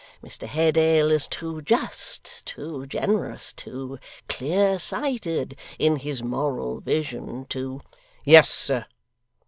Mr Haredale is too just, too generous, too clear sighted in his moral vision, to ' 'Yes, sir?